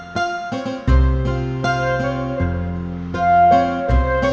pak miep mau berangkat